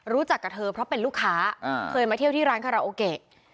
รู้จักกับเธอเพราะเป็นลูกค้าเคยมาเที่ยวที่ร้านคาราโอเกะ